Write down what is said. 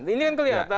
ini kan kelihatan